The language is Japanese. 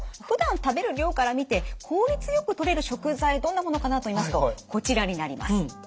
ふだん食べる量から見て効率よくとれる食材どんなものかなといいますとこちらになります。